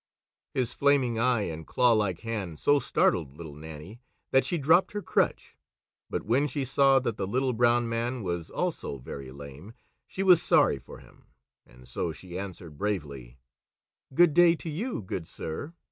His flaming eye and clawlike hand so startled Little Nannie that she dropped her crutch; but when she saw that the Little Brown Man was also very lame, she was sorry for him, and so she answered bravely: "Good day to you, good sir!